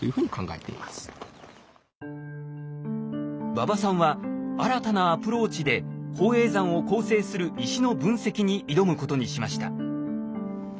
馬場さんは新たなアプローチで宝永山を構成する石の分析に挑むことにしました。